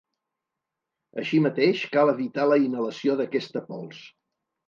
Així mateix, cal evitar la inhalació d'aquesta pols.